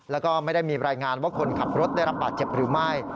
แล้วก็ไม่ได้มีรายงานว่าคนขับรถได้รับบาดเจ็บหรือไม่